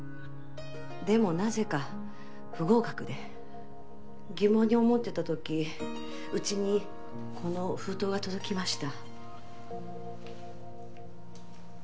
でもなぜか不合格で疑問に思ってたときウチにこの封筒が届きました。